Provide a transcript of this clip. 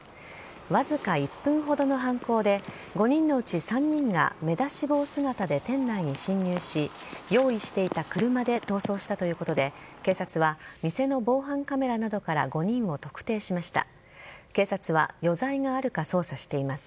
わずか１分ほどの犯行で５人のうち３人が目出し帽姿で店内に侵入し用意していた車で逃走したということで警察は店の防犯カメラなどから５人を特定しました。